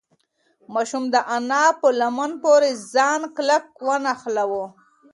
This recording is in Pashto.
ماشوم د انا په لمن پورې ځان کلک ونښلاوه.